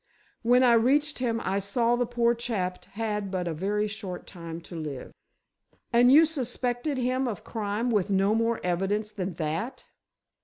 When I reached him I saw the poor chap had but a very short time to live." "And you suspected him of crime with no more evidence than that?"